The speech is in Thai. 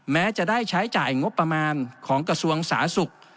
แม้จะได้ใช้จ่ายงบประมาณของกระทรวงสาธารณสุข